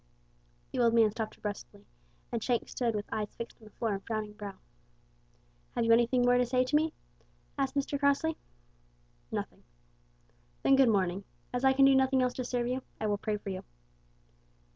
The old man stopped abruptly, and Shank stood with eyes fixed on the floor and frowning brow. "Have you anything more to say to me?" asked Mr Crossley. "Nothing." "Then good morning. As I can do nothing else to serve you, I will pray for you."